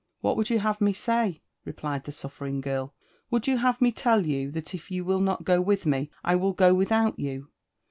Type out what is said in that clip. "What would you have me say?" replied the. sufibring girl. " Would you have me tell you, that if you will not go with me, I will go without you?